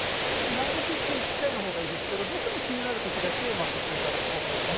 なるべく１回のほうがいいですけどどうしても気になる時はそっていただいても。